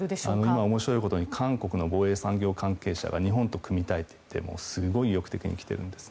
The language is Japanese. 今、面白いことに韓国の防衛産業関係者が日本と組みたいといってすごい意欲的に来てるんです。